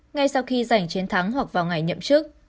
ngay sau khi giành chiến thắng hoặc vào ngày nhậm chức